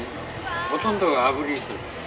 ほとんどが炙りにする。